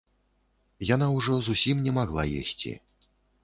Яна ўжо зусім не магла есці.